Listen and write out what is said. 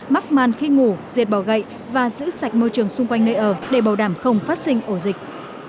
mắc man khi ngủ diệt bò gậy và giữ sạch môi trường xung quanh nơi ở để bảo đảm không phát sinh ổ dịch